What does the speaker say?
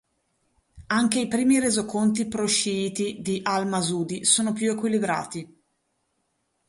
Anche i primi resoconti pro-sciiti di al-Masudi sono più equilibrati.